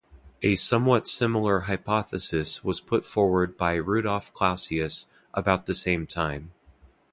A somewhat similar hypothesis was put forward by Rudolf Clausius about the same time.